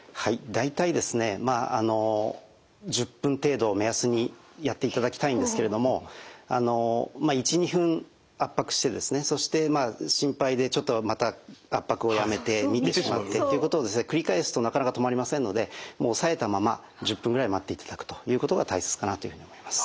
大体ですねまああの１０分程度を目安にやっていただきたいんですけれども１２分圧迫してそして心配でちょっとまた圧迫をやめて見てしまってっていうこと繰り返すとなかなか止まりませんのでもうおさえたまま１０分ぐらい待っていただくということが大切かなというふうに思います。